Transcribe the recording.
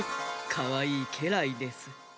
かわいいけらいです。